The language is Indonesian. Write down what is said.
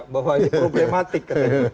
bahwa ini problematik